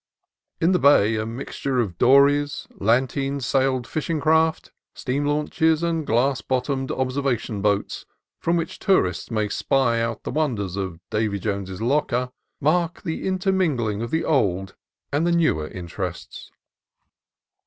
On the bay, the mixture of dories, lateen sailed fishing craft, steam launches, and glass bottomed observation boats from which tourists may spy out the wonders of Davy Jones's locker, mark the intermingling of the old and the newer in terests.